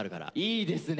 いいですね！